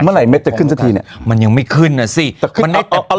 เมื่อไหเม็ดจะขึ้นสักทีเนี้ยมันยังไม่ขึ้นอ่ะสิมันไม่แต่เอา